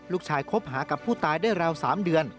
คบหากับผู้ตายได้ราว๓เดือน